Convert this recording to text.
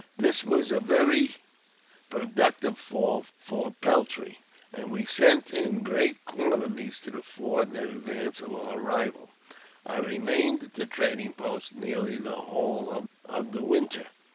This was a very productive fall for peltry, and we sent in great quantities to the fort in advance of our arrival. I re mained at the trading post nearly the whole of the winter.